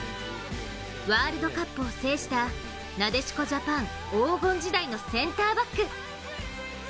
ワールドカップを制したなでしこジャパン黄金時代のセンターバック。